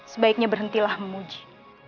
sebaiknya berhentilah memuji